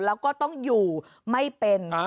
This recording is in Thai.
แล้วก็ต้องอยู่ไม่เป็น